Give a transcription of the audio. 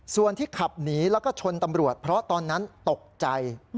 ส่วนที่ขับหนีแล้วก็ชนตำรวจเพราะตอนนั้นตกใจ